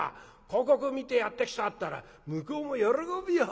広告見てやって来たったら向こうも喜ぶよ。